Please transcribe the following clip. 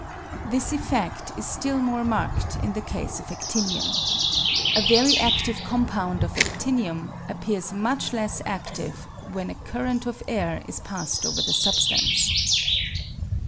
This effedt is still more marked in the case of adtinium. A very adtive compound of adtinium appears much less adtive when a current of air is passed over the substance.